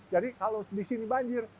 jadi kalau di sini banjir